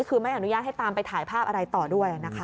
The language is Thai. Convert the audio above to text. คือไม่อนุญาตให้ตามไปถ่ายภาพอะไรต่อด้วยนะคะ